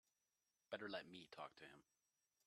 Better let me talk to him.